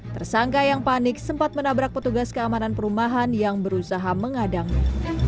tersangka yang panik sempat menabrak petugas keamanan perumahan yang berusaha mengadangnya